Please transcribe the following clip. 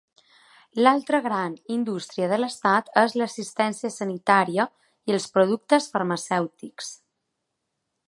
L'altra gran indústria de l'estat és l'assistència sanitària i els productes farmacèutics.